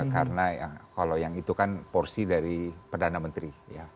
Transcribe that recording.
karena kalau yang itu kan porsi dari perdana menteri